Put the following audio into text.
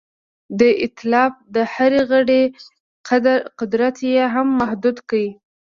د ایتلاف د هر غړي قدرت یې هم محدود کړ.